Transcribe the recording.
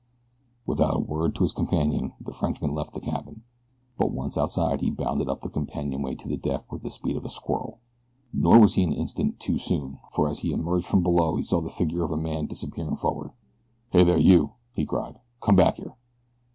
Without a word to his companions the Frenchman left the cabin, but once outside he bounded up the companionway to the deck with the speed of a squirrel. Nor was he an instant too soon, for as he emerged from below he saw the figure of a man disappearing forward. "Hey there, you!" he cried. "Come back here."